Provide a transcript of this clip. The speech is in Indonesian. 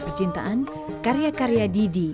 percintaan karya karya didi